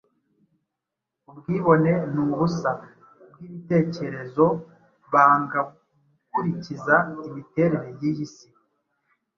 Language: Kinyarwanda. ubwibone, nubusa bwibitekerezo, Banga gukurikiza imiterere yiyi si.